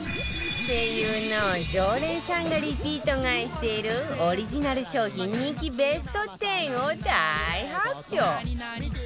ＳＥＩＹＵ の常連さんがリピート買いしているオリジナル商品人気ベスト１０を大発表！